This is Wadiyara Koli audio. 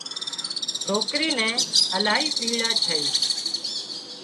سوڪري نين الاهي پيڙا ڇئي